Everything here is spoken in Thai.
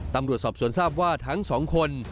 ตำรวจสอบสวนทราบว่าทั้งสองคน